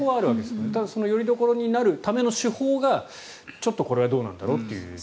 ただ、そのよりどころになるための手法がちょっとこれはどうなんだろうという。